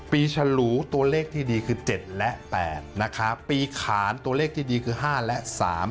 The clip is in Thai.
ฉลูตัวเลขที่ดีคือ๗และ๘นะคะปีขานตัวเลขที่ดีคือ๕และ๓